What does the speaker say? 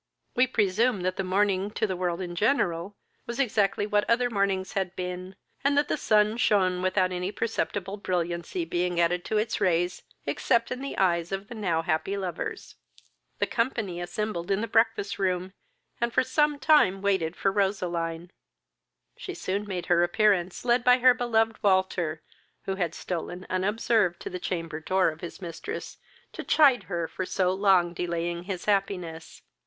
We presume that the morning, to the world in general, was exactly like what other mornings had been, and that the sun shone without any perceptible brilliancy being added to its rays, except in the eyes of the now happy lovers. The company assembled in the breakfast room, and for some time waited for Roseline. She soon made her appearance, led by her beloved Walter, who had stolen unobserved to the chamber door of his mistress, to chide her for so long delaying his happiness.